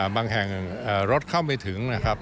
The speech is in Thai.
บางแห่งรถเข้าไม่ถึงนะครับ